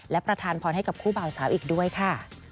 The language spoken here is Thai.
และประธานพรให้กับคู่บ่าวสาวอีกด้วยค่ะ